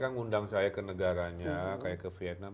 kebanyakan mereka ngundang saya ke negaranya kayak ke vietnam